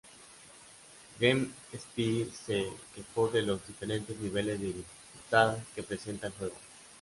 GameSpy se quejó de los diferentes niveles de dificultad que presenta el juego.